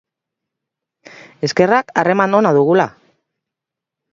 Eskerrak harreman ona dugula!